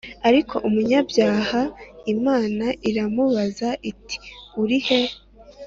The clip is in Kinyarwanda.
Ariko umunyabyaha Imana iramubaza iti urihe‽